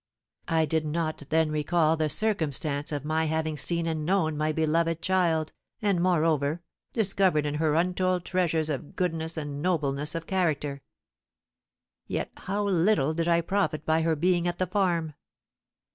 I did not then recall the circumstance of my having seen and known my beloved child, and, moreover, discovered in her untold treasures of goodness and nobleness of character. Yet how little did I profit by her being at the farm!